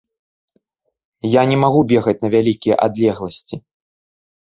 Я не магу бегаць на вялікія адлегласці.